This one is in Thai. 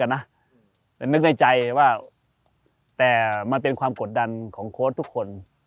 แต่นึกในใจว่าแต่มันเป็นความกดดันของโค้ชทุกคน